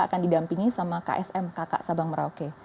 akan didampingi sama ksm kakak sabang merauke